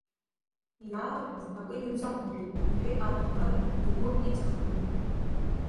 Иаауҳәаз акы иузақәмыршәеит, — иҳәеит аҭаҳмада игәы иҵаххны.